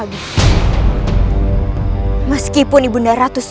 hubungan dengan keluarga raddy degrees